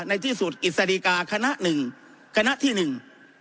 ในที่สุดกิจสดีกาขณะถึง